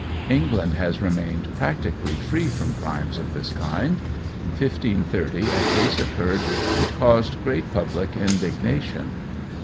England has remained practically free from crimes of this kind. In 1530, a case occurred which caused great public indignation.